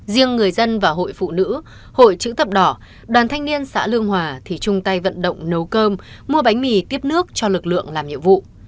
riêng người dân và hội phụ nữ hội chữ thập đỏ đoàn thanh niên xã lương hòa thì chung tay vận động nấu cơm mua bánh mì tiếp nước cho lực lượng làm nhiệm vụ